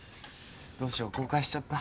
どうしよ公開しちゃった。